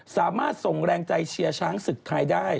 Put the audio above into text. สามารถส่งแรงใจเชียร์ช้างศึกไทยได้